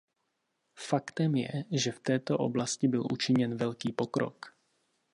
Faktem je, že v této oblasti byl učiněn velký pokrok.